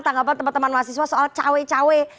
tanggapan teman teman mahasiswa soal cawe cawe